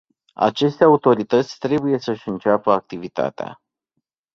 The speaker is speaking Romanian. Aceste autorități trebuie să-și înceapă activitatea.